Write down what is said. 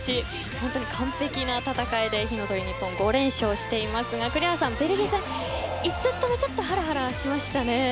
本当に完璧な戦いで火の鳥ＮＩＰＰＯＮ５連勝していますが、栗原さんベルギー戦、１セット目ちょっとはらはらしましたね。